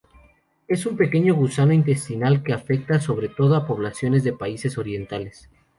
Es un pequeño gusano intestinal que afecta sobre todo a poblaciones de países orientales.